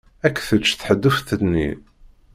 Ad k-tečč tḥedduft-nni.